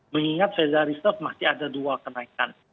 mengingat fedarisep masih ada dua kenaikan